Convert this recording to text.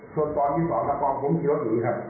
ส่วนตอนที่สองกระป๋องผมขี่รถหนีครับ